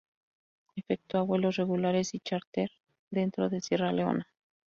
Efectúa vuelos regulares y charter dentro de Sierra Leona.